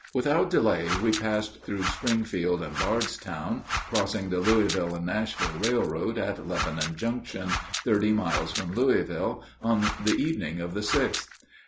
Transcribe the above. Without delay we passed through Springfield and Bardstown, crossing the Louisville and Nashville Railroad at Lebanon Junction, thirty miles from Louisville, on the evening of the 6th.